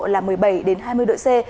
là một mươi bảy hai mươi độ c